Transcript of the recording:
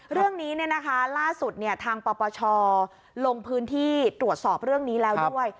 เรื่องนี้ล่าสุดทางปปชลงพื้นที่ตรวจสอบเรื่องนี้แล้วด้วย